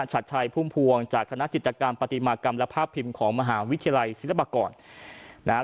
ชัดชัยพุ่มพวงจากคณะจิตกรรมปฏิมากรรมและภาพพิมพ์ของมหาวิทยาลัยศิลปากรนะฮะ